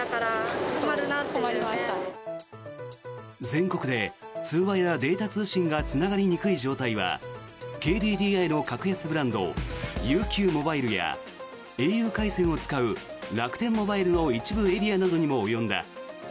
全国で、通話やデータ通信がつながりにくい状態はＫＤＤＩの格安ブランドＵＱモバイルやａｕ回線を使う楽天モバイルの一部エリアなどにも及んだ。